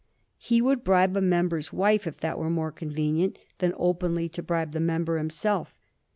He would bribe a member's wife, if that were more convenient than openly to bribe the member himself.